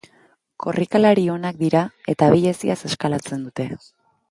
Korrikalari onak dira eta abileziaz eskalatzen dute.